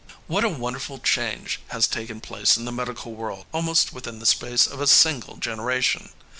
What a wonderful change has taken place in the medical world almost within the space of a single generation!